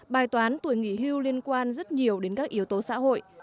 bài toán tuổi nghỉ hưu liên quan rất nhiều đến các yếu tố xã hội